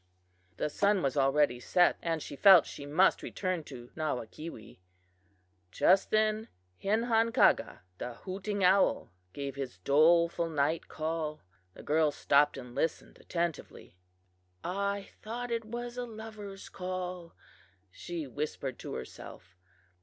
The sun was already set, and she felt she must return to Nawakewee. "Just then Hinhankaga, the hooting owl, gave his doleful night call. The girl stopped and listened attentively. "'I thought it was a lover's call,' she whispered to herself.